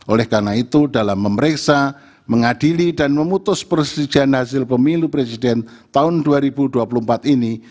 oleh karena itu dalam memeriksa mengadili dan memutus persetujuan hasil pemilu presiden tahun dua ribu dua puluh empat ini